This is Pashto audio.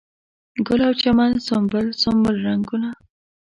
ګل او چمن سنبل، سنبل رنګونه